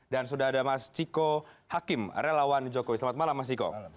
dan sudah ada mas ciko hakim relawan jokowi selamat malam mas ciko